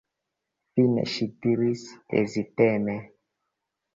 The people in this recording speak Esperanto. Fine ŝi diris heziteme: